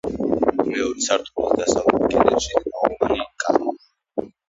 მეორე სართულის დასავლეთ კედელში თაღოვანი კარია.